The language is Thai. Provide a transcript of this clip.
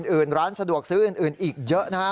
อื่นร้านสะดวกซื้ออื่นอีกเยอะนะฮะ